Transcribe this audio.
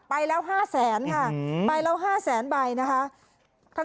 ไปแล้ว๕แสนค่ะไปแล้ว๕แสนใบนะคะ